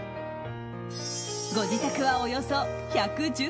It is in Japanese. ご自宅はおよそ１１０坪。